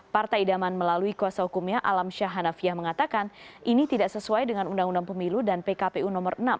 partai idaman melalui kuasa hukumnya alam syah hanafiah mengatakan ini tidak sesuai dengan undang undang pemilu dan pkpu nomor enam